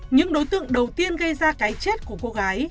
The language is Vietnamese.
những đối tượng đầu tiên gây ra cái chết của cô gái